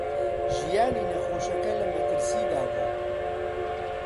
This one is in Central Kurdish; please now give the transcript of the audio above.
ژیانی نەخۆشەکە لە مەترسیدا بوو.